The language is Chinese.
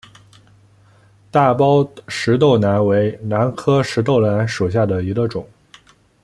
大苞石豆兰为兰科石豆兰属下的一个种。